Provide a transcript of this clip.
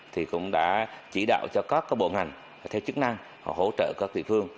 thì cũng đã chỉ đạo cho các bộ ngành theo chức năng hỗ trợ các địa phương